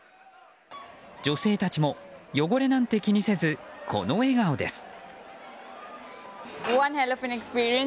女性たちも汚れなんて気にせずこの笑顔です。